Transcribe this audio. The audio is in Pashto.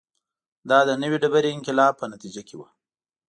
دا د نوې ډبرې انقلاب په نتیجه کې و